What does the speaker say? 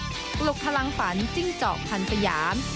ปลุกพลังฝันจิ้งจอกพันสยาม